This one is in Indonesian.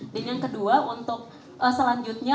dan yang kedua untuk selanjutnya